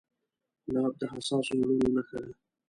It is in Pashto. ګلاب د حساسو زړونو نښه ده.